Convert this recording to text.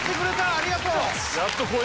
ありがとう！